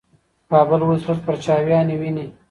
کابل اوس لږ پرچاویني ویني.